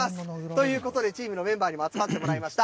ということで、チームのメンバーにも集まってもらいました。